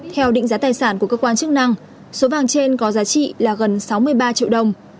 theo định giá tài sản của cơ quan chức năng số vàng trên có giá trị là gần sáu mươi ba triệu đồng